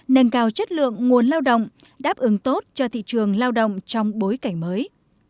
nâng cao chất lượng nguồn lao động đáp ứng tốt cho thị trường lao động trong bối cảnh mới